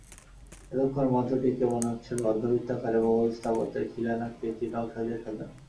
এতক্ষণ মঞ্চটিকে মনে হচ্ছিল অর্ধবৃত্তাকারে মোগল স্থাপত্যের খিলান আকৃতির নকশা দিয়ে সাজানো।